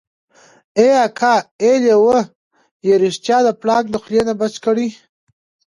ای اکا ای لېوه يې رښتيا د پړانګ د خولې نه بچ کړی.